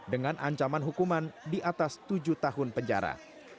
dengan ancaman hukuman di atas tujuh tahun penjara